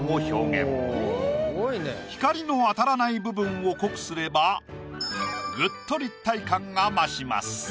光の当たらない部分を濃くすればぐっと立体感が増します。